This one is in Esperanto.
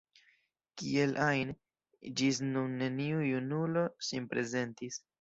Kiel ajn, ĝis nun neniu junulo sin prezentis.